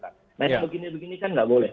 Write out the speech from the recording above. nah yang begini begini kan nggak boleh